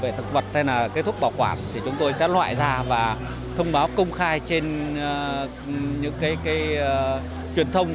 về thực vật hay là kết thúc bảo quản thì chúng tôi sẽ loại ra và thông báo công khai trên những truyền thông